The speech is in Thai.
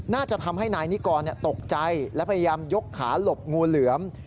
น่าจะทำให้นายนิกรตกใจและพยายามยกขาหลบงูเหลือม